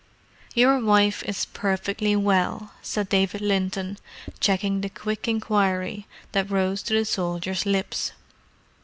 "Your wife is perfectly well," said David Linton, checking the quick inquiry that rose to the soldier's lips.